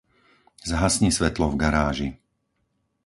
Zhasni svetlo v garáži.